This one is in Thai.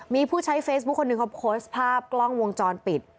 มีผู้ใช้เฟซบุ๊คคนหนึ่งเขาโพสต์ภาพกล้องวงจรปิด